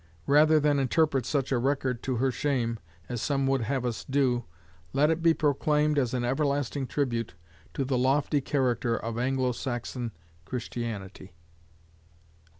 Rather than interpret such a record to her shame, as some would have us do, let it be proclaimed as an everlasting tribute to the lofty character of Anglo Saxon Christianity.